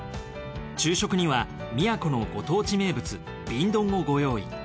昼食には宮古のご当地名物瓶ドンをご用意。